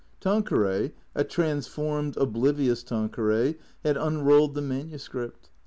Tanqueray, a transformed, oblivious Tanqueray, had unrolled the manuscript.